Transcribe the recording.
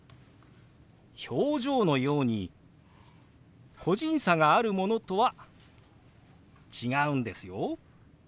表情のように個人差があるものとは違うんですよ。